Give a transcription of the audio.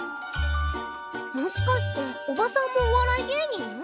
もしかしておばさんもお笑い芸人？